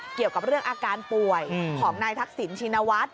เกี่ยวกับเรื่องอาการป่วยของนายทักษิณชินวัฒน์